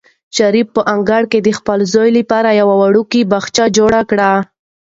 شریف په انګړ کې د خپل زوی لپاره یو وړوکی باغچه جوړه کړه.